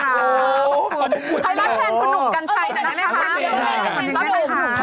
ใครลับแทนคุณหนุ่มกันใช่ไหมนะคะ